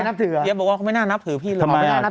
ไม่ได้นับถือยังบอกว่าเขาไม่น่านับถือพี่เลย